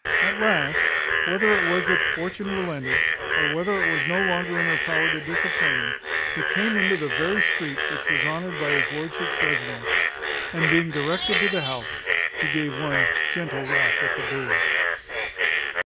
At last, whether it was that Fortune relented, or whether it was no longer in her power to disappoint him, he came into the very street which was honoured by his lordship's residence; and, being directed to the house, he gave one gentle rap at the door.